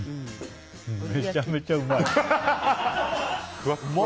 めちゃめちゃ、うまい。